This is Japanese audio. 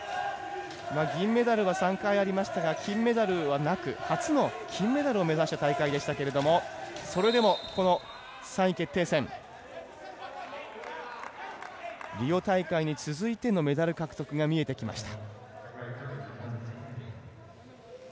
銀メダルが３回ありましたが金メダルはなく初の金メダルを目指して大会でしたけれどもそれでも３位決定戦リオ大会に続いてのメダル獲得が見えてきました。